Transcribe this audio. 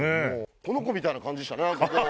この子みたいな感じでしたね